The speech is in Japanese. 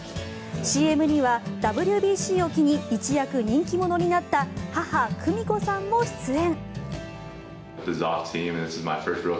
ＣＭには、ＷＢＣを機に一躍人気者になった母・久美子さんも出演。